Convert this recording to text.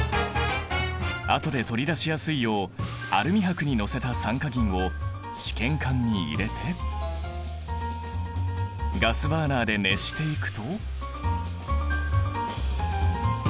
あとで取り出しやすいようアルミ箔に載せた酸化銀を試験管に入れてガスバーナーで熱していくと。